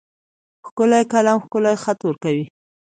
ښکلی قلم ښکلی خط ورکوي.